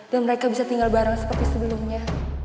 dan mereka bisa tinggal bareng seperti sebelumnya